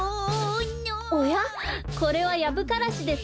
おやこれはヤブカラシですね。